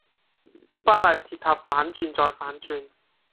巴黎鐵塔反轉再反轉